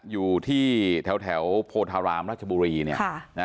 อยู่ที่แถวโพธารามราชบุรีเนี่ย